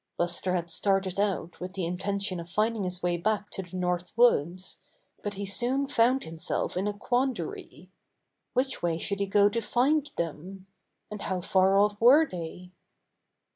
Buster had started out with the intention of finding his way back to the North Woods, but he soon found himself in a quandary. Which way should he go to find them? And how far off were they?